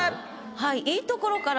はい。